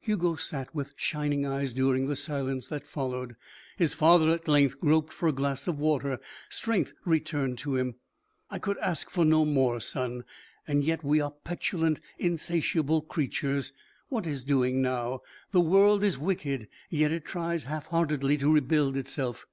Hugo sat with shining eyes during the silence that followed. His father at length groped for a glass of water. Strength returned to him. "I could ask for no more, son. And yet we are petulant, insatiable creatures. What is doing now? The world is wicked. Yet it tries half heartedly to rebuild itself.